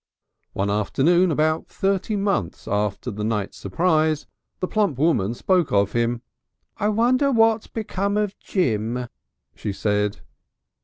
One afternoon about thirty months after the Night Surprise the plump woman spoke of him. "I wonder what's become of Jim," she said.